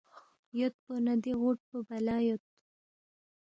یودپو نہ دی غُوٹ پو بلا یود